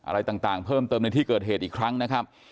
อะไรต่างเพิ่มเติมในที่เกิดเหตุอีกครั้งนะครับ